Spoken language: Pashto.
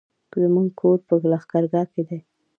زموږ کور په لښکرګاه کی دی